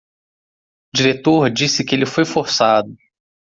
Diretor disse que ele foi forçado